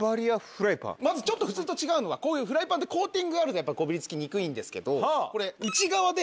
ちょっと普通と違うのがフライパンってコーティングがあるとこびりつきにくいんですけどこれ。